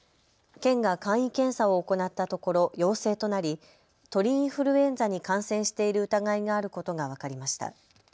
県が簡易検査を行ったところ陽性となり鳥インフルエンザに感染している疑いがあることが分かりました。